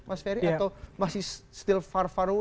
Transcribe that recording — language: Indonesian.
atau masih jauh jauh